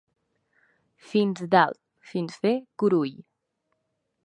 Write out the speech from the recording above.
Fins dalt fins fer curull.